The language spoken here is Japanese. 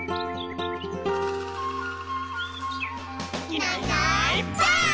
「いないいないばあっ！」